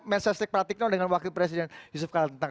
mensa stik pratikno dengan wakil presiden yusuf kalantang